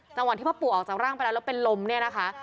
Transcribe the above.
จังหวะที่พ่อปู่ออกจากร่างไปแล้วแล้วเป็นลมเนี่ยนะคะ